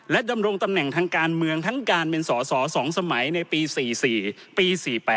ดำรงตำแหน่งทางการเมืองทั้งการเป็นสอสอ๒สมัยในปี๔๔ปี๔๘